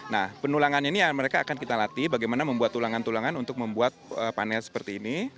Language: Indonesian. nah penulangan ini mereka akan kita latih bagaimana membuat tulangan tulangan untuk membuat panel seperti ini